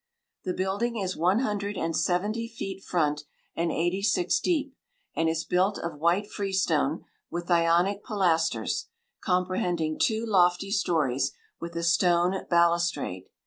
The building is one hundred and seventy feet front, and eighty six deep, and is built of white freestone, with Ionic pilasters, comprehending two lofty stories, with a stone balustrade.